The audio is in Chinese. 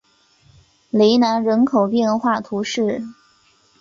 雷南人口变化图示